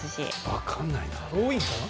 分からないな。